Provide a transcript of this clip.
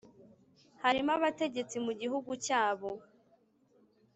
harimo abategetsi mu gihugu cyabo,